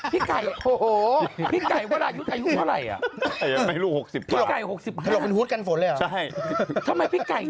พี่ไก่ถลกไหม